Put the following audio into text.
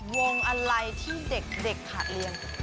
วงอะไรที่เด็กขาดเรียน